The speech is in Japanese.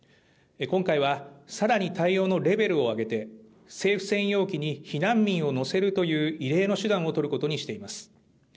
今回はさらに対応のレベルを上げて、政府専用機に避難民を乗せるという異例の手段を取ることにしています。